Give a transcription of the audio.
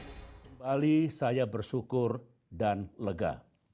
kembali saya bersyukur dan lega